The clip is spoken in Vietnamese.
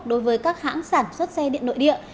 đối với các hãng sản xuất xe điện nội địa